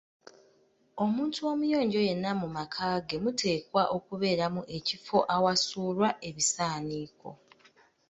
Omuntu omuyonjo yenna mu maka ge muteekwa okubeeramu ekifo awasuulwa ebisaaniiko.